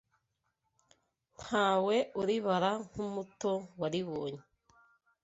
Ntawe uribara nk'umuto waribonye